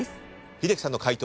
英樹さんの解答